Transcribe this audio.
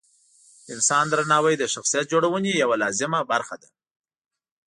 د انسان درناوی د شخصیت جوړونې یوه لازمه برخه ده.